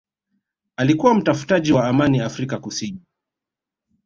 alikuwa mtafutaji wa amani Afrika Kusini